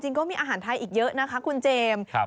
ก็มีอาหารไทยอีกเยอะนะคะคุณเจมส์